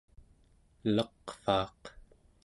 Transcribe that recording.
elaqvaaq